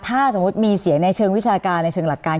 ถ้าสมมุติมีเสียงในเชิงวิชาการในเชิงหลักการ